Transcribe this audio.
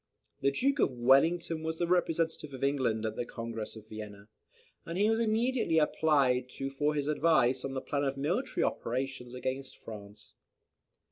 The Duke of Wellington was the representative of England at the Congress of Vienna, and he was immediately applied to for his advice on the plan of military operations against France.